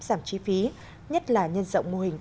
giảm chi phí nhất là nhân rộng mô hình